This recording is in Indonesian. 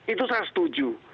itu saya setuju